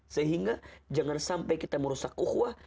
sehingga jangan sampai kita merusak uhwah